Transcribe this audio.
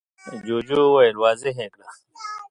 جوجو وويل: واضح يې کړه!